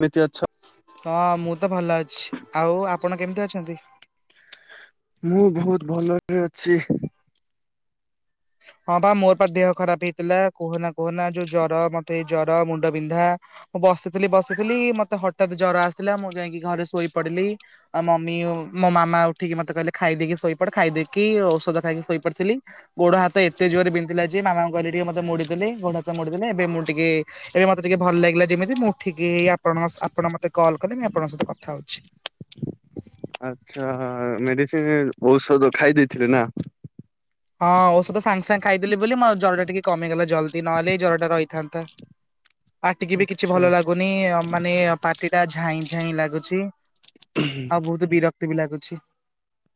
କେମିତି ଅଛ? ହଁ ମୁଁ ତ ଭଲ ଅଛି। ଆଉ ଆପଣ କେମିତି ଅଛନ୍ତି? ମୁଁ ବହୁତ ଭଲରେ ଅଛି। ହଁ ବା ମୋରପା ଦେହ ଖରାପ ହେଇଥିଲା କୁହନା କୁହନା ଯୋଉ ଜର ମତେ ଜର ମୁଣ୍ଡ ବିନ୍ଧା? ମୁଁ ବସିଥିଲି ବସିଥିଲି ମତେ ହଠାତ୍ ଜର ଆସିଥିଲା ମୁଁ ଯାଇକି ଘରେ ଶୋଇ ପଡିଲି। ଆଉ ମମି ମୋ ମାମା ଉଠିକି ମତେ କହିଲେ ଖାଇଦେଇକି ଶୋଇପଡ ଖାଇଦେଇକି ଔଷଧ ଖାଇକି ଶୋଇପଡିଥିଲି। ଗୋଡ ହାତ ଏତେ ଜୋରେ ବିନ୍ଧୂଥିଲା ଯେ ମା କହିଲ ଟିକେ ମତେ ମୋଡିଦେଲେ ଗୋଡ ହାତ ମୋଡିଦେଲେ ଏବେ ମୁଁ ଟିକେ ଏବେ ମତେ ଟିକେ ଭଲ ଲାଗିଲା ଯେମିତି ମୁଁ ଉଠିକି ଆପଣଙ୍କ ଆପଣ ମତେ କଲକଲେ ମୋତେ ଆପଣଙ୍କ ସହିତ କଥା ହଉଛି। ଆଚ୍ଛା ମେଡିସିନ ଔଷଧ ଖାଇ ଦେଇଥିଲେ ନା? ହଁ ଔଷଧ ସାଙ୍ଗେ ସାଙ୍ଗେ ଖାଇଦେଲି ବୋଲି ମୋ ଜର ଟା ଟିକେ କମିଗଲା ଜଲ୍ଦି ନହଲେ ଏଇ ଜରଟା ରହିଥାନ୍ତା। [inaudible] ପାଟିକି ବି କିଛି ଆଚ୍ଛା ଭଲ ଲାଗୁନି ମାନେ ପାଟିଟା ଝାଇଁ ଝାଇଁ ଲାଗୁଛି। ଆଉ ବହୁତ ବିରକ୍ତି ବି ଲାଗୁଛି।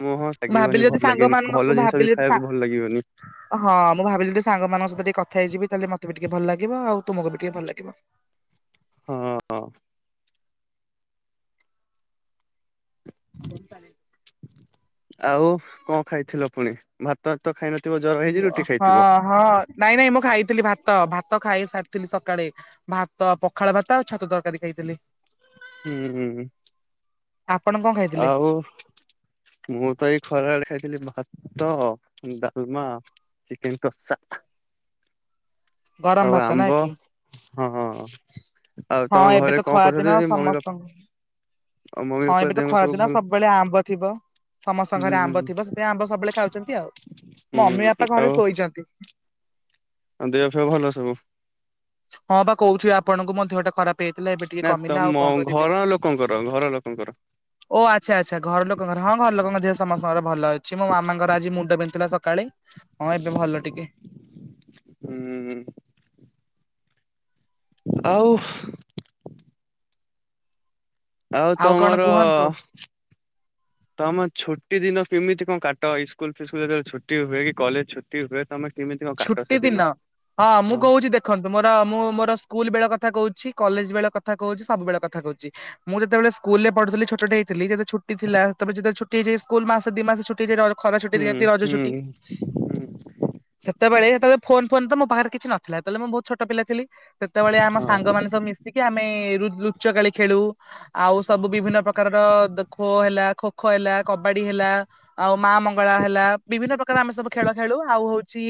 ମୁଁହଁ ମୁଁ ଭାବିଲି ଲାଗିବନି ଯଦି ଭଲ ସାଙ୍ଗ ଲାଗେନି ମାନଙ୍କ ମୁଁ ଭଲ ଜିନିଷ ଭାବିଲି ବି ଯଦି ସା ଖାଇବାକୁ ଭଲ ଲାଗିବନି। ହଁ ମୁଁ ଭାବିଲି ଯଦି ସାଙ୍ଗମାନଙ୍କ ସହିତ ଟିକେ କଥା ହେଇଯିବି ତାହେଲେ ମତେ ବି ଟିକେ ଭଲଲାଗିବ ଆଉ ତୁମକୁ ବି ଟିକେ ଭଲଲାଗିବ। ଉଁ ହୁଁ। [inaudible] ଆଉ କଣ ଖାଇଥିଲ ପୁଣି ଭାତ ତ ଖାଇନଥିବ ଜର ହେଇଛିି ରୁଟି ଖାଇଥିବ। ହଁ ହଁ ନାଇଁ ନାଇଁ ମୁଁ ଖାଇଥିଲି ଭାତ ଭାତ ଖାଇ ସାରିଥିଲି ସକାଳେ। ଭାତ ପଖାଳଭାତ ଆଉ ଛତୁ ତରକାରୀ ଖାଇଥିଲି। ହୁଁ ହୁଁ ହୁଁ। ଆପଣ କଣ ଖାଇ ଆଉ। ମୁଁ ତ ଏଇ ଖରାବେଳେ ଖାଇଥିଲି ଭାତ ଡାଲମା। ଚିକେନ୍ କସା। ଗରମ ଆଉ ଭାତ ନା ଆମ୍ବ କି? ହଁ ହଁ। ହଁ ଏବେ ତ ଖରାଦିନ ସମସ୍ତଙ୍କୁ। ବାପା ମମି ହଁ ବାପା ଏବେ ତ ଦେହ ସବୁ ଖରାଦିନ ଭଲ? ସବୁବେଳେ ଆମ୍ବ ଥିବ। ସମସ୍ତଙ୍କ ହୁଁ ଘରେ ଆମ୍ବ ଥିବ ସେଥିପାଇଁ ଆମ୍ବ ସବୁବେଳେ ଖାଉଛନ୍ତି ଆଉ ମମି ହୁଁ ବାପା ଘରେ ଶୋଇଛନ୍ତି। ଆଉ ଦେହ ଫେହ ଭଲ ସବୁ। ହଁ ବା କହୁଛି ଆପଣଙ୍କୁ ମୋ ଦେହ ଟା ଖରାପ। ହେଇଥିଲା ଏବେ ଟିକେ ନା କମିଲା ଆଉ ତମ କଣ କରିବି। ଘର ଲୋକଙ୍କର ଘର ଲୋକଙ୍କର ଓ ଆଚ୍ଛା ଆଚ୍ଛା ଘର ଲୋକଙ୍କର ହଁ ଘର ଲୋକଙ୍କ ଦେହ ସମସ୍ତଙ୍କର ଭଲ ଅଛି ମୋ ମାମାଙ୍କର ଆଜି ମୁଣ୍ଡ ବିନ୍ଦୁଥିଲା ସକାଳେ। ହଁ ଏବେ ଭଲ ଟିକେ। ହୁଁ। ଆଉ। ଆଉ କଣ ତମର। କୁହନ୍ତୁ। ତମେ ଛୁଟି ଦିନ କେମିତି କଣ କାଟ ଇସ୍କୁଲ ଫିସ୍କୁଲ ଯେତବେଳେ ଛୁଟି ହୁଏ କି କଲେଜ ଛୁଟି ହୁଏ ତମେ। କେମିତି କଣ କାଟ ଛୁଟି ଦିନ ସେଦିନ ମୁଁ ହଁ। କହୁଛି ଦେଖନ୍ତୁ ମୋର ମୁଁ ମୋର ସ୍କୁଲ ବେଳେ କଥା କହୁଛି କଲେଜ ବେଳେ କଥା କହୁଛି ସବୁବେଳେ କଥା କହୁଛି। ମୁଁ ଯେତବେଳେ ସ୍କୁଲ ରେ ପଢଥିଲ ଛଟ ହେଥିଲ ଯେତ ଛୁ ଥିଲା ସେବେଳେେବେ ଛୁଟିଇଯାଇ ସ୍କୁଲ ମାସ ଦି ମାସ। [inaudible] ଖରା ଛୁଟି ହୁଁ ଦିଅନ୍ତି ରଜ ହୁଁ ଛୁଟି। ହୁଁ ସେତେବେଳେ ଯେତେବେଳେ ଫୋନ ଫୋନ ତ ମୋ ପାଖରେ କିଛି ନଥିଲା ସେତେବେଳେ ମୁଁ ବହୁତ ଛୋଟ ପିଲା ଥିଲି ସେତେବେଳେ ଆମ ହଁ ସାଙ୍ଗମାନେ। ମିଶିକି ଆମେ ଲୁଚ କାଳି ଖେଳୁ। ଆଉ ସବୁ ବିଭିନ୍ନ ପ୍ରକାରର ଖୋ ହେଲା ଖୋ ଖୋ ହେଲା କବାଡି ହେଲା। ଆଉ ମା ମଙ୍ଗଳା ହେଲା ବିଭିନ୍ନ ପ୍ରକାର ଆମେ ସବୁ ଖେଳ ଖେଳୁ ଆଉ ହଉ। ଛି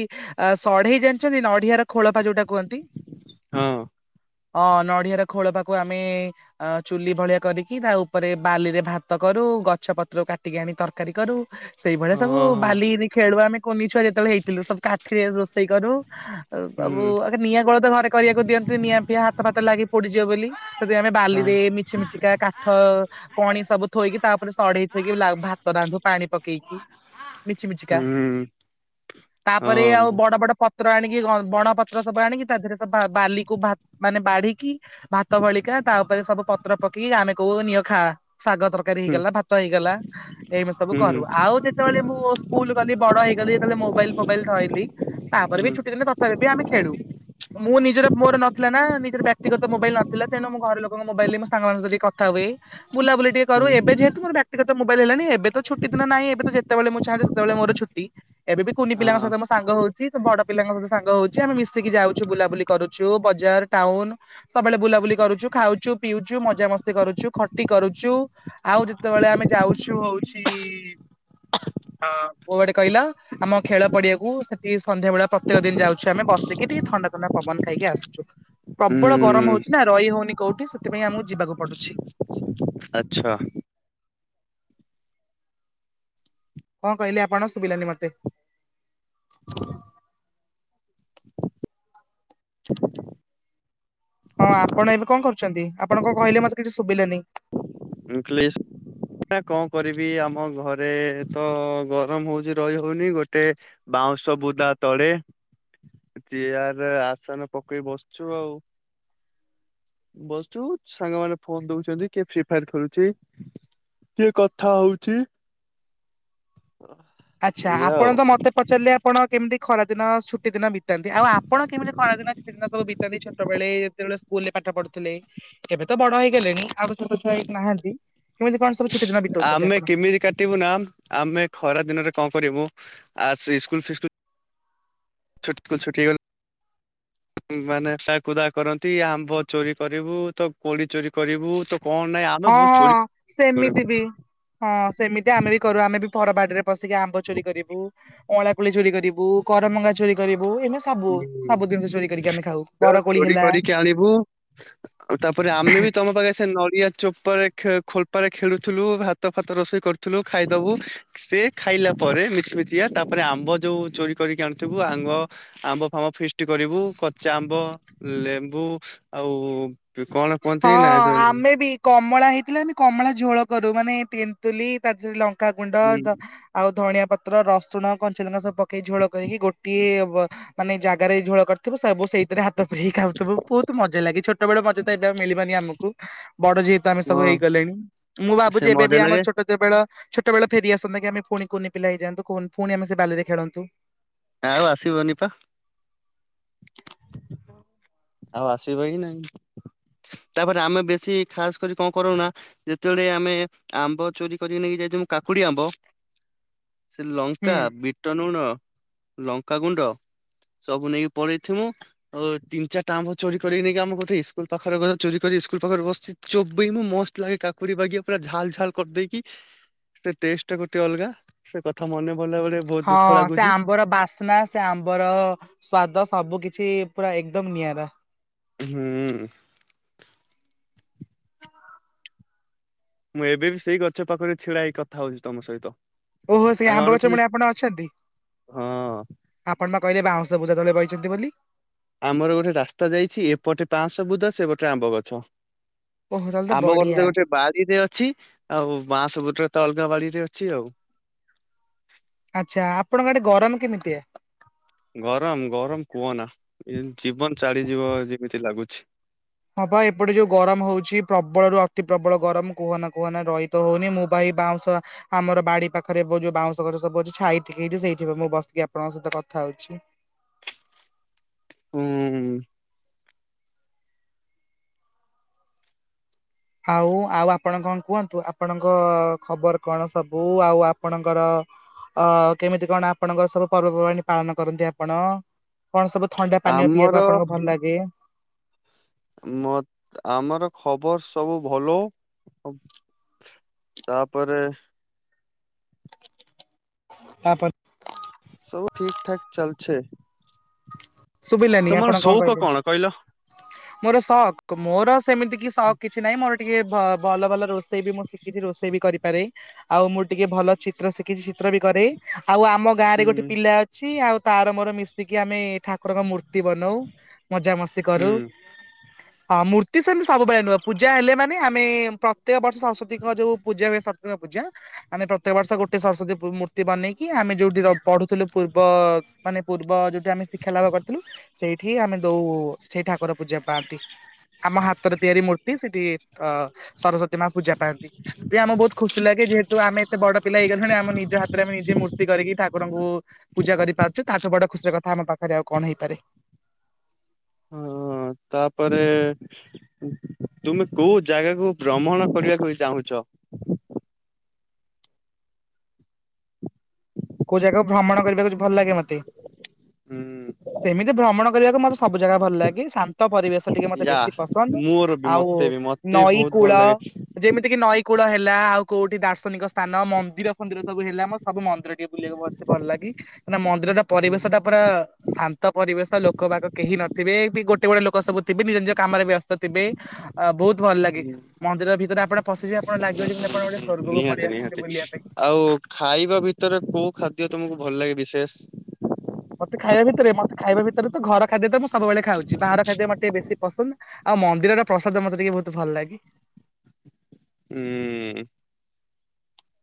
ସଢେଇ ଜାଣିଛନ୍ତି ନଡିଆର ଖୋଳପା ଯୋଉଟା କୁହନ୍ତି। ହଁ ଅଁ ନଡିଆର ଖୋଳପାକୁ ଆମେ। ଆ ଚୁଲି ଭଳିଆ କରିକି ତା ଉପରେ ବାଲିରେ ଭାତ କରୁ ଗଛ ପତ୍ର କାଟିକି ଆଣି ତରକାରୀ କରୁ। ସେଇଭଳିଆ ସବୁ ହଁ ହଁ ବାଲି ଖେଳୁ ଆମେ କୁନି ଛୁଆ ଯେତେବେଳେ ହେଇଥିଲୁ ସବୁ କାଠିରେ ରୋଷେଇ କରୁ। ଆଉ ସବୁ ହୁଁ ଆ ନିଆଁ ତ ଘରେ କରିବାକୁ ଦିଅନ୍ତି ନିଆଁ ଫିଆଁ ହାତ ଫାତ ଲାଗି ପୋଡିଯିବ ବୋଲି। ସତିକା ଆମେ ହଁ ବାଲିରେ ମିଛି ମିଛିକା କା କାଠ କଣି ସବୁ ଥୋଇକି ତାପରେ ସଢେଇଥୋଇକି ଭାତ ରାନ୍ଧୁ ପାଣି ପକେଇକି। ମିଛି ମିଛିିକା। ହୁଁ ତାପରେ ହଁ ଆଉ ବୁ ବଡ ବଡ ପତ୍ର ଆଣିକି ବଣ ପତ୍ର ସବୁ ଆଣିକି ତା ଦେହରେ ସବୁ ବାଲିକୁ ଭ ମାନେ ବାଢିକି ଭାତ ଭଳିକା ତା ଉପରେ ସବୁ ପତ୍ର ପକେଇକି ଆମେ କହୁ ନିଅ ଖା ସାଗତର ତରକାରୀ ହୁଁ ହେଇଗଲା ଭାତ ହେଇଗଲା ଏଇମିତି ସବୁ ହୁଁ କରୁ ଆଉ। ଯେତେବେଳେ ମୁଁ ସ୍କୁଲ ଗଲି ବଡ ହେଇଗଲି ସେତେବେଳେ ମୋବାଇଲ ଫୋବାଇଲ ଧଇଲି ତାପରେ ହୁଁ ବି ଛୁଟି ଦିନେ ତଥାପି ବି ଆମେ ଖେଳୁ। ମୁଁ ନିଜର ମୋର ନଥିଲା ନା ନିଜର ବ୍ୟକ୍ତିଗତ ମୋବାଇଲ ନଥିଲା ତେଣୁ ମୁଁ ଘର ଲୋଙ୍କ ମୋବାଇଲ ମୁଁ ସାଙ୍ଗମାନଙ୍କ ସହି କଥା ହୁଏ। ବୁଲାବୁଲି ଟିକେ କରୁ ହୁଁ ଏବେ ଯେହେତୁ ମୋର। ତ ମୋବାଇଲ ହେଲାଣି ଏବେ ତ ଛୁଟି ଦିନ ନାହିଁ ଏବେ ତ ଯେତେଳେ ମୁଁ ଚାଁେ ସେତେବେଳେ ମୋର ଛୁଟି ଏବେ ବି କୁ ପିଲଙ୍କ ହଁ ସାଙ୍ଗ ହଉଛି ତ ବଡ ପିଲାଙ୍କ ସହି ସାଙ୍ଗ ହଉଛି ଆମେ ମିଶିକି ଯାଉଛୁ ବୁଲାବୁଲି କରୁଛୁ ବଜାର ଟାଉନ। ସବୁବେଳେ ବୁଲାବୁଲି କରୁଛୁ ଖାଉଛୁ ପିଉଛୁ ମଜାମସ୍ତି କରୁଛୁ ଖଟି କରୁଛୁ। ଆଉ ଯେତେବେଳେ ଆମେ ଯାଉଛୁ ହଉଛି ପୁ ଗଟେ କହିଲ। ଆମ ଖେଳ ପଡିଆକୁ ସେଠି ସନ୍ଧ୍ୟାବେେଳେ ପ୍ରତ୍ୟେକ ଦିନ ଯାଉଛୁ ଆମେ ବସିକି ଟିକେ ଥଣ୍ଡା ଥଣ୍ଡା ପବନ ଖାଇକି ଆସଛୁ। ପ୍ରବଳ ଗରମ ହୁଁ ହଉଛି ନା ରହି ହଉନି କୋଉଠି ସେଥିପାଇଁ ଆମକୁ ଯିବାକୁ ପଡୁଛି। ଆଚ୍ଛା। କଣ କହିଲେ ଆପଣ ଶୁଭିଲାନି ମତେ। ହଁ ଆପଣ ଏବେ କଣ କରୁଛନ୍ତି ଆପଣ କଣ କହିଲେ ମତେ କିଛି ଶୁଭିଲାନି। ମୁ କହିଲି। କଣ କରିବି ଆମ ଘରେ ତ ଗରମ ହଉଚ ରହି ହଉନି ଗୋଟେ। ବାଉଁଶ ବୁଦା ତଳେ ଚେୟାର ଆସନ ପକେଇ ବସିଛୁ ଆଉ। ବସଛୁ ସାଙ୍ଗ ମାନେ ଫୋନ ଦଉଛନ୍ତି କିଏ ଫ୍ରି ଫାୟାର ଖେଳୁ ଚି କିଏ କଥା ହଉଛି? ଆଚ୍ଛା ଏଇଆ ଆଉ ଆପଣ ତ ମତେ ପଚାରିଲେ ଆପଣ କେମିତି ଖରା ଦିନ ଛୁଟି ଦିନ ବିତି ବିତାନ୍ତି ଆଉ ଆପଣ କେମିତି କା ଦିନ ଛ ଦିନ ସବୁ ବିତାନ୍ତି ଛୋଟବେଳେ ଯେତେବେଳେ ସ୍କୁଲ ରେ ପାଠ ପଢ଼ୁଥିଲେ ଏବେ ତ ବଡ ହେଇଗଲେଣି। ଆଉ ଛୋଟ ଛୁଆଇ ନାହାନ୍ତି କେମିତି କଣ ସବୁ ଛୋଟ ଦିନ ବିତଉଛନ୍ତି ଆପଣ? କିରିକାଟିିବୁନାମ୍। ଆମେ ଖରା ଦିନରେ କଣ କରିବୁ ଆ ସ୍କୁଲ୍ ଫିସ୍କୁଲ୍ ଛୁଟ୍କୁ ଛୁଟି ହେଇଗଲେ ମାନେକୁଦା କରନ୍ତି ଆମ୍ବ ଚୋରି କରିବୁ ତ କୋଳି ଚୋରି କରିବୁ ତ କଣ ନାଇଁ? ହଁ ହଁ ସେମିତି ବି। ହଁ ସେମିତି ଆମେ ବି କରୁ। ଆମେ ବି ପରବାଡ଼ିରେ ପଶିକି ଆମ୍ବ ଚୋରି କରିବୁ। ଅଳା କୋଳି ଚୋରି କରିବୁ। କରମଙ୍ଗା ଚୋରି କରିବୁ। ଏମିତି ସବୁ ସବୁ ସବୁ ଜିନିଷ ଚୋରି କରିକି ଆମେ ଖାଉ। ବରକୋଳି ଚୋରି ହେଲା। କରିକି ଆଣିବୁ ଆଉ ତାପରେ ଆମେ ବି ତମ ପାଖେ ସେ ନଡି଼ଆ ଚୋପାରେ ଖୋଳପାରେ ଖେଳୁଥିଲୁ ଭାତ ଫାତ ରୋଷେଇ କରୁଥିଲୁ ଖାଇଦବୁ। ସେ ଖାଇଲା ପରେ ମିଛି ମିଛି କା ତାପରେ ଆମ୍ବ ଯୋଉ ଚୋରି କରିକି ଆଣୁଥିବୁ ଆମ୍ବ ଆମ୍ବ ଫାମ୍ୱ ଫିଷ୍ଟି କରିବୁ କଙ୍ଚା ଆମ୍ବ, ଲେମ୍ବୁ ଆଉ ତୁ କଣ ହଁ ପହଞ୍ଚେଇି ନା ଜଣ ଆମେ ବି କମଳା ହେଇଥିଲା ଆମେ କମଳା ଝୋଳ କରୁ। ମାନେ ତେନ୍ତୁଲି ତା ଦେହରେ ଲଙ୍କାଗୁଣ୍ଡ ହୁଁ, ଆଉ ଧଣିଆ ପତ୍ର, ରସୁଣ, କଞ୍ଚଲଙ୍କା ସବୁ ପକେଇ ଝୋଳ କରିକି ଗୋଟିଏ ମାନେ ଜାଗାରେ ଝୋଳ କରିଥିବୁ ସବୁ ସେଇଥିରେ ହାତ ପୁରେଇକି ଖାଉଥିବ ବହୁତ ମଜା ଲାଗେ। ଛୋଟବେେଳେ ମ ଏଇଟା ମିଳିବାନି ଆମକୁ। ବଡ ଯେହେତୁ ଆମେ ସବୁ ହଁ ହେଇଗଲେଣି। ମୁଁ ସେ ଭାବୁଛି ଏବେ ବି ମଜା ଆମ ଲାଗେ ଛୋଟ ଯେତେବେ ଛୋଟବେଳେ ଫେରିଆସନ୍ତା କି? ଆମେ ପୁଣି କୁନି ପିଲା ହେଇଯଆନ୍ତୁ। ପୁଣି ଆମେ ସେ ବାଲିରେ ଖେଳନ୍ତୁ? ଆଉ ଆସିବନି ପା? ଆଉ ଆସିବ କି ନାଇଁ। ତାପରେ ଆମେ ବେଶୀ ଖାସ କରି କଣ କରୁନା ଯେତେବେଳେ ଆମେ ଆମ୍ବ ଚୋରି କରିକି ନେଇକି ଯାଇଛୁ କାକୁଡି, ଆମ୍ବ ସେ ହୁଁ ଲଙ୍କା ବି ବିଟଲୁଣ, ଲଙ୍କାାଗୁଣ୍ଡ ସବୁ ନେଇକି ପଳେଇଥିବୁ ଆଉ ତିନି ଚାର ତା ମୁ ଚୋରି କରିକ ନେଇକି ଆମ ଗୋଟେ ଇସ୍କୁଲ ପାଖରେ କଥା ଚୋରି କରି ସ୍କୁଲ ପାଖରେ ବସିଛି ଚୋବି ମୁଁ ମ ଲାଗେ କାକୁଡି ବାଗିଆ ପୁରା ଝାଲ ଝାଲ କରିଦେଇକି ତା ଟେଷ୍ଟ ଟା ଗୋଟେ ଅଲଗା, ସେ କଥା ମନେ ଭଲା ଭେ ହଁ ସେ ଆମ୍ବର ବାସ ନା ସେ ଆମ୍ବର ସ୍ଵାଦ ସବୁ କିଛି ପୁରା ଏକଦମ ନିଆରା। ହୁଁ। ମୁଁ ଏବେ ବି ସେଇ ଗଛ ପାଖରେ ଛିଡା ହେଇ କଥା ହଉଛି ତମ ସହିତ। ଓହୋ ସେଇ ଆମେ ଆମ୍ବ ଗଛ ଅନଉଥିଲୁ ମୂଳେ ଆପଣ ଅଛନ୍ତି? ହଁ ଆପଣ ବା କହିଲେ ବାଉଁଶ ବୁଦା ତଳେ ବଇଛନ୍ତି ବୋଲି? ଆମର ଗୋଟେ ରାସ୍ତା ଯାଇଛି, ଏପଟେ ବାଂଶ ବୁଦା ଏପଟେ ଆମ୍ବ ଗଛ। ଓହୋ ତାହେଲେ ତ ଆମ ବଢିଆ ଘରରେ ଗୋଟେ ବାଡିରେ ଅଛି, ଆଉ ବାଂସ ବୁଦା ତ ଅଲଗା ବାଡିରେ ଅଛି ଆଉ। ଆଚ୍ଛା ଆପଣଙ୍କ ଆଡେ ଗରମ କେମିତି ହୁଏ? ଗରମ ଗରମ କୁହ ନା ଜୀବନ ଚାଡିଯିବ ଯେମିତି ଲାଗୁଛି। ହଁ ବା ଏପଟେ ଯୋଉ ଗରମ ହଉଛି ପ୍ରବଳରୁୁ ଅତି ପ୍ରବଳ ଗରମ କୁହନା କୁହନା ରହିତ ହଉନି ମୁଁ ବା ଏଇ ବାଉଁଶ ଆମର ବାଡି ପାଖରେ ଯୋଉ ବାଉଁଶ ଘଛ ସବୁ ଅଛି ଛାଇ ଟିକେ ସେଇଠି ମୁଁ ବସିକି ଆପଣଙ୍କ ସହିତ କଥା ହଉଛି। ହୁଁ। ଆଉ ଆଉ ଆପଣ କଣ କୁହନ୍ତୁ? ଆପଣଙ୍କ ଖବର କଣ ସବୁ? ଆଉ ଆପଣଙ୍କର ଅ କେମିତି କଣ ଆପଣଙ୍କ ସବୁ ପର୍ବପର୍ବାଣି ପାଳନ କରନ୍ତି ଆପଣ? କଣ ସବୁ ଥଣ୍ଡା ପାନୀୟ ପିବାକୁ ଆମର ଆପଣଙ୍କୁ ଭଲ ଲାଗେ? [inaudible] ମତ୍ ଆମର ଖବର ସବୁ ଭଲ। ତାପରେ ତାପରେ ସବୁ ଠିକ୍ ଠାକ ଚାଲଛେ, ଶୁଭିଲାନି ତମର ଆପଣ ସଉକ କହିଲେ? କଣ କହିଲ? [inaudible] ମୋର ସକ୍ ମୋର ସେମିତି କି ସକ୍ କିଛି ନାହିଁ, ମୋର ଟିକେ ଭଲ ଭଲ ରୋଷେଇ ବି ମୁଁ ଶିଖି କିଛି ରୋଷେଇ ବି କରିପାରେ, ଆଉ ମୁଁ ଟିକେ ଭଲ ଚିତ୍ର ଶିଖିଛି ଚିତ୍ର ବି କରେ, ଆଉ ଆମ ଗାଁ ରେ ଗୋଟେ ହୁଁ ପିଲା ଅଛି ଆଉ ତାର ମୋର ମିଶିକି ଆମେ ଠାକୁରଙ୍କ ମୂର୍ତ୍ତି ବନଉ, ମଜା ମସ୍ତି ସ୍ତି କରୁ। ହୁଁ [inaudible] ହଁ ମୂର୍ତ୍ତି ସେମିତି ସବୁବେଳେ ନୁହଁ ପୂଜା ହେଲେ ମାନେ ଆମେ ପ୍ରତ୍ୟେକ ବର୍ଷ ସରସ୍ଵତୀଙ୍କ ଯୋଉ ପୂଜା ହୁଏ ସରସ୍ଵତୀଙ୍କ ପୂଜା ଆମେ ପ୍ରତ୍ୟେକ ବର୍ଷ ଗୋଟେ ସରସ୍ଵତୀ ମୂର୍ତ୍ତି ବନେଇକି ଆମେ ଯୋଉଠି ର ପଢୁଥିଲୁ ପୂର୍ବ ମାନେ ପୂର୍ବ ଯୋଉଠି ଆମେ ଶିକ୍ଷା ଲାଭ କରିଥିଲୁ ସେଇଠି ଆମେ ଦଉ ସେଇ ଠାକୁର ପୂଜା ପାଆନ୍ତି। ଆମ ହାତରେ ତିଆରି ମୂର୍ତ୍ତି ସେଠି ଅ ସରସ୍ଵତୀ ମା ପୂଜା ପାଆନ୍ତି। ସେ ଆମ ବହୁତ ଖୁସି ଲାଗେ କି ଯେହେତୁ ଆମେ ଏତେ ବଡ ପିଲା ହେଇଗଲୁଣି ଆମ ନିଜ ହାତରେ ଆମେ ନିଜେ ମୂର୍ତ୍ତି କରି ଠାକୁରଙ୍କୁ ପୂଜା କରିପାରୁଛୁ ତାଠୁ ବଡ ଖୁସିର କଥା ଆମ ପାଖରେ ଆଉ କଣ ହେଇପାରେ? ହଁ ତାପରେ ତୁମେ କୋଉ ଜାଗାକୁ ଭ୍ରମଣ କରିବାକୁ ଚାହୁଁଛ? କୋଉ ଜାଗାକୁ ଭ୍ରମଣ କରିବାକୁ ଭଲ ଲାଗେ ମତେ? ହୁଁ ସେମିତି ଭ୍ରମଣ କରିବାକୁ ମତେ ସବୁ ଜାଗା ଭଲ ଲାଗେ, ଶାନ୍ତ ପରିବେଶ ଟିକେ ମତେ ୟା ବେଶୀ ପସନ୍ଦ, ମୋର ବି ଆଉ ମତେ ବି ମତେ ନଈ ବହୁତ କୂଳ ଭଲ ଲାଗେ। ଯେମିତି କିି ନଈ କୂଳ ହେଲା ଆଉ କୋଉଠି ଦାର୍ଶନିକ ସ୍ଥାନ ମନ୍ଦିର ଫନ୍ଦିର ସବୁ ହେଲା ମୋର ସବୁ ମନ୍ଦିର ଟିଏ ବୁଲିବାକୁ ମୋତେ ଭଲ ଲାଗି ନା ମନ୍ଦିର ଟା ହୁଁ, ପରିବେଶ ଟା ପୁରା ଶାନ୍ତ ପରିବେଶ ଲୋକ ବାକ କେହି ନଥିବେ ବି ଗୋଟେ ଗୋଟେ ଲୋକ ସବୁ ଥିବେ ନିଜ ନିଜ କାମରେ ବ୍ୟସ୍ତ ଥିବେ। ଆ ବହୁତ ଭଲ ଲାଗେ, ହୁଁ, ମନ୍ଦିର ଭିତରେ ଆପଣ ପଶିଯିବେ ଆପଣ ଲାଗିବ ହୁଁ, ଯେମିତି ଆପଣ ଗୋଟେ ସ୍ୱର୍ଗକୁ ପଳେଇ ନିହାତି ଆସିଛନ୍ତି ନିହାତି ବୁଲିବା ପାଇଁ। ଆଉ ଖାଇବା ଭିତରେ କୋଉ ଖାଦ୍ୟ ତମକୁ ଭଲ ଲାଗେ ବିଶେଷେ? ମତେ ଖାଇବା ଭିତରେ ମତେ ଖାଇବା ଭିତରେ ତ ଘର ଖାଦ୍ୟ ତ ମୁଁ ସବୁବେଳେ ଖାଉଛି ବାହାର ଖାଦ୍ୟ ମଟେ ବେଶୀ ପସନ୍ଦ। ଆଉ ମନ୍ଦିରର ପ୍ରସାଦ ମତେ ଟିକେ ବହୁତ ଭଲ ଲାଗେ। ହୁଁ।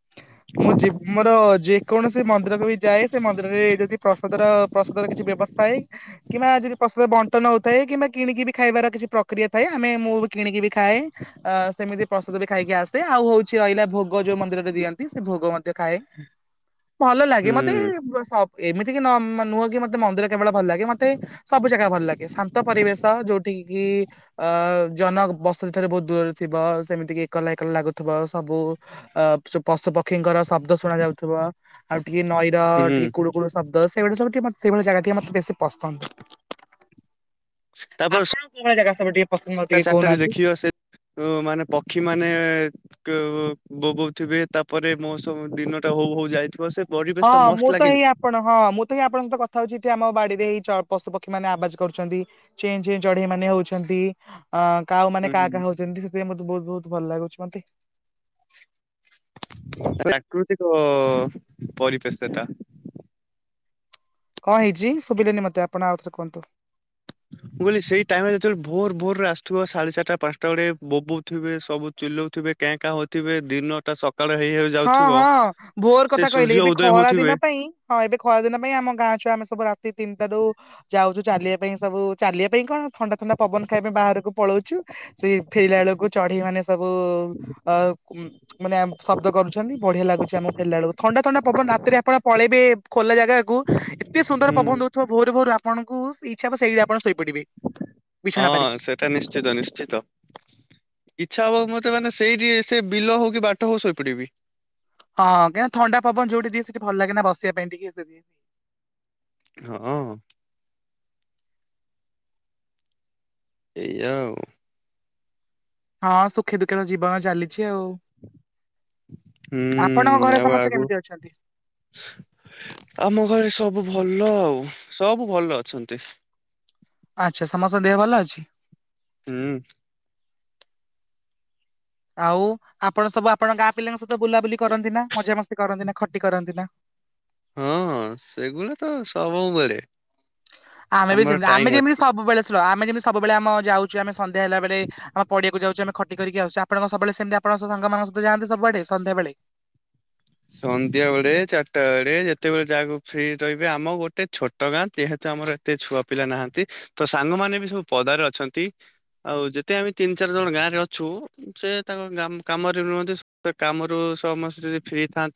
[inaudible] ମୁଁ ଯିବ୍ ମୋର ଯେକୌଣସି ମନ୍ଦିରକୁ ବି ଯାଏ ସେ ମନ୍ଦିରରେ ଯଦି ପ୍ରସାଦର ପ୍ରସାଦର କିଛି ବ୍ୟବସ୍ଥା ହେଇ କିମ୍ବା ଯଦି ପ୍ରସାଦ ବଣ୍ଟନ ହଉଥାଏ କିମ୍ବା କିଣିକିବି ଖାଇବାର କିଛି ପ୍ରକ୍ରିୟା ଥାଏ ଆମେ ମୁଁ ବି କିଣିକି ବି ଖାଏ। ଆ ସେମିତି ପ୍ରସାଦ ବି ଖାଇକି ଆସେ ଆଉ ହଉଛି ରହିଲା ଭୋଗ ଯୋଉ ମନ୍ଦିର। ଦିଅନ୍ତି ସେ ଭୋଗ ମଧ୍ୟ ଖାଏ। ଭଲ ଲାଗେ ମତେ ହୁଁ ସ ଏମିତି କି ନ ମା ନ ନୁହଁ କି ମତେ ମନ୍ଦିର କେବଳ ଭଲ ଲାଗେ ମତେ। ସବୁ ଜାଗା ଭଲ ଲାଗେ ଶାନ୍ତ ପରିବେଶ ଯୋଉଠି ଗେ ଅ ଜନ ବସତି ଠାରୁ ବହୁତ ଦୂରରେ ଥିବ ସେମିତି କି ଏକଲା ଏକଲା ଲାଗୁଥୁବ ସବୁ। ଅ ପଶୁ ପକ୍ଷୀଙ୍କର ଶବ୍ଦ ଶୁଣା ଯାଉଥୁବ। ଆଉ ଟିକେ ନଈର ହୁଁ ଟିକେ କୁଳୁକୁଳୁ ଶବ୍ଦ ସେଇଭଳି ସବୁ ଟିକେ ମ ସେଇଭଳିଆ ଜାଗା ଟିକେ ମତେ ବେଶୀ ପସନ୍ଦ। [inaudible] ତାପରେ ଆପଣଙ୍କୁ କୋଉ ଭଳିଆ ଜାଗା ସବୁ ଟିକେ ପସନ୍ଦ ମତେ ଟିକେ କହୁନାହାଁନ୍ତି। ଉ ମାନେ ପକ୍ଷୀ ମାନେ। [unintelligible] ବୋବଉଥିବେ ତାପରେ ମୋର ସବୁ ଦିନ ଟା ହଉ ହଉ ଯାଇଥିବ ସେ ପରିବେଶ ଟା ହଁ ମୁଁ ମସ୍ତ ତ ଲାଗେନି। ହେଇ ଆପଣ। ହଁ ମୁଁ ତ ହିଁ ଆପଣଙ୍କ ସହିତ କଥା ହଉଚି ଏଠି ଆମ ବାଡି ରେ ଏଇ ଚ ପଶୁ ପକ୍ଷୀ ମାନେ ଆବାଜ କରୁଛନ୍ତି। ଚେଁ ଚେଁ ଚଢେଇ ମାନେ ହଉଛନ୍ତି ଅ କାଉ ମାନେ ହୁଁ। କା -କା ହଉଛନ୍ତି ସେ ସେ ମତେ ବହୁତ ବହୁତ ଭଲ ଲାଗୁଛି ମତେ। ପ୍ରାକୃତିକ ପରିବେଶଟା। କଁ ହେଇଚି ଶୁଭିଲାନି ମତେ ଆପଣ ଆଉଥରେ କୁହନ୍ତୁ। ମୁଁ କହିଲି ସେଇ ଟାଇମ ରେ ଯେତେବେଳେ ଭୋର ଭୋର ରେ ଆସୁଥୁବ ସାଢେ ଚାରିଟା ପାଞ୍ଚଟା ବେଳେ ବୋ ବୋଉ ଥିବେ ସବୁ ଚିଲ୍ଲଉଥିବେ। କେଁ କାଁ ହଉଥିବେ ଦିନଟା ସକାଳେ ହେଇଯାଉ ହଁ ହଁ ଭୋର କଥା କହିଲେ ଏବେ ଉଦୟ ଖରା ହଉଥିବେ ଦିନ ପାଇଁ। ହଁ ଏବେ ଖରାଦିନ ପାଇଁ ଆମ ଗାଁ ଛୁଆ ଆମେ ସବୁ ରାତି ତିନିଟା ରୁ। ଯାଉଚୁ ଚାଲିବା ପାଇଁ ଏ ସବୁ ଚାଲିବା ପାଇଁ କଣ ଥଣ୍ଡା ଥଣ୍ଡା ପବନ ଖାଇବା ପାଇଁ ବାହାରକୁ ପଳଉଛୁ। ସେଇ ଫେରିଲା ବେଳକୁ ଚଢେଇ ମାନେ ସବୁ ଅ ଉଂ ମାନେ ଶବ୍ଦ କରୁ ଛନ୍ତି ବଢିଆ ଲାଗୁଛି ଆମକୁ ଫେରିଲା ବେଳକୁ ଥଣ୍ଡା ଥଣ୍ଡା ପବନ ରାତିରେ ଆପଣ ପଳେଇବେ ଖୋଲା ଜାଗାକୁ। ଏତେ ସୁନ୍ଦର ହୁଁ ପବନ ଦଉଥୁବ ଭୋରୁ ଭୋରୁ ଆପଣଙ୍କୁ ଇଚ୍ଛା ହବ ସେଇଠୀ ଆପଣ ଶୋଇପଡିବେ। ବିଛଣା ହଁ ପାରିକି। ସେଟା ନିଶ୍ଚିତ ନିଶ୍ଚିତ। ଇଚ୍ଛା ହବ ମତେ ମାନେ ସେଇଠି ସେ ବିଲ ହଉ କି ବାଟ ହଉ ଶୋଇପଡିବି। ହଁ କାଇଁ ନା ଥଣ୍ଡା ପବନ ଯୋଉଠି ଦିଏ ସେଠି ଭଲ ଲାଗେ ନା ବସିବା ପାଇଁ ଟିକେ ସେ ଦିଏ। ହଁ ଅ। ଏଇଆ ଆଉ। ହଁ ସୁଖେ ଦୁଃଖେ ତ ଜୀବନ ଚାଲିଛି ଆଉ। ଆପଣଙ୍କ ହୁଁ ଘରେ ଆଉ ସମସ୍ତେ ଆଗୁ କେମିତି ଅଛନ୍ତି? ଆମ ଘରେ ସବୁ ଭଲ ଆଉ ସବୁ ଭଲ ଅଛନ୍ତି। ଆଚ୍ଛା ସମସ୍ତଙ୍କ ଦେହ ଭଲ ଅଛି? ହୁଁ। ଆଉ ଆପଣ ସବୁ ଆପଣଙ୍କ ଗାଁ ପିଲାଙ୍କ ସହିତ ବୁଲାବୁଲି କରନ୍ତି ନା ମଜାମସ୍ତି କରନ୍ତି ନା ଖଟି କରନ୍ତି ନା। ହଁ ସେଗୁଡ଼ା ତ ସବୁବେଳେ। ଆମେ ବି ଆମର ସେମିତି ଟାଇମ ଆମେ ଯେମିତି ଅଛି। ସବୁବେଳେ ଶୁଣ ଆମେ ଯେମିତି ସବୁବେଳେ ଆମ ଯାଉ। ଆମେ ସଧ୍ୟା ହେଲା ବେଳେ ଆମ ପଡିଆକୁ ଯାଉଚେ ଆମେ ଖ। କରିକି ଆସୁ, ଆପଣ କଣ ସବୁବେଳେ ସେମିତି ଆପଣଙ୍କ ସାଙ୍ଗମାନଙ୍କ ସହିତ ଯଆନ୍ତି ସବୁଆ ଆଡ଼େ ସନ୍ଧ୍ୟାବେଳେ। ସନ୍ଧ୍ୟା ବେଳେ, ଚାରିଟା ବେଳେ ଯେତେବେଳେ ଯାହାକୁ ଫ୍ରି ରହିବେ ଆମ ଗୋଟେ ଛୋଟ ଗାଁ ଯେହେତୁ ଆମର। ଏତେ ଛୁଆ ପିଲା ନାହାନ୍ତି, ତ ସାଙ୍ଗମାନେ ବି ସବୁ ପଦାରେ ଅଛନ୍ତି। ଆଉ ଯେତେ ଆମେ ତିନି ଚାରି ଜଣ ଗାଁ ରେ ଅଛୁ। ସେ ତାଙ୍କ କାମରେ ରୁହନ୍ତି, ସେ କାମରୁ ସମସ୍ତେ ଯଦି ଫ୍ରି ଥାଆନ୍ତି।